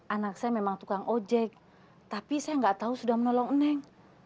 anak saya memang tukang ojek tapi saya nggak tahu sudah menolong eneng